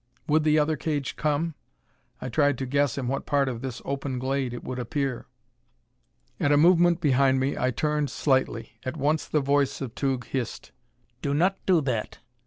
Would the other cage come? I tried to guess in what part of this open glade it would appear. At a movement behind me I turned slightly. At once the voice of Tugh hissed: "Do not do that!